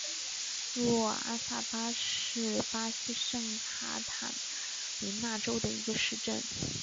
若阿萨巴是巴西圣卡塔琳娜州的一个市镇。